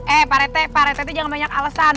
eh pak rete pak rete tuh jangan banyak alesan